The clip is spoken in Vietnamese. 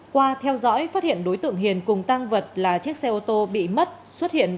qua theo dõi phát hiện đối tượng hiền cùng tăng vật là chiếc xe ô tô bị mất xuất hiện